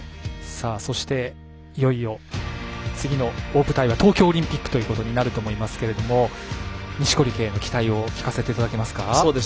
そしていよいよ次の大舞台は東京オリンピックとなると思いますが錦織圭への期待を聞かせていただけますか。